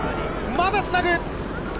まだつなぐ。